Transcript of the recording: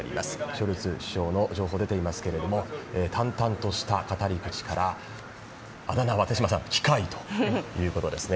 ショルツ首相の情報出ていますけども淡々とした語り口からあだ名は、機械ということですね。